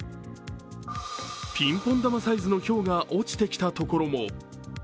ピンポン玉サイズのひょうが落ちてきたところも。